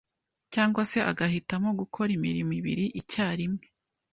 cyangwa se agahitamo gukora imirimo ibiri icyarimwe